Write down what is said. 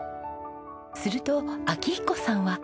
すると明彦さんは。